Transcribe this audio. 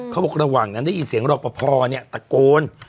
เขาบอกระหว่างนั้นได้ยินเสียงหลอกประพอเนี่ยตะโกน